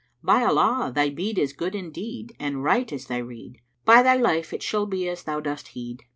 By Allah thy bede is good indeed and right is thy rede! By thy life, it shall be as thou dost heed."